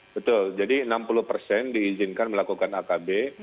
betul jadi enam puluh persen diizinkan melakukan akb